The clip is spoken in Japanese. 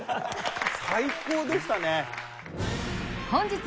最高でしたね！